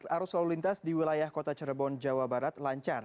arus lalu lintas di wilayah kota cirebon jawa barat lancar